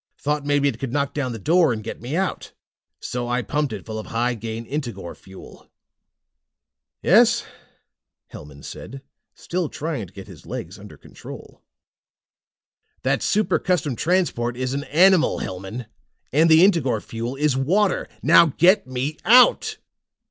Thought maybe it could knock down the door and get me out. So I pumped it full of high gain Integor fuel." "Yes?" Hellman said, still trying to get his legs under control. "That Super Custom Transport is an animal, Hellman! And the Integor fuel is water! Now get me out!"